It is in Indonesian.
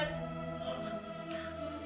semua badanku sakit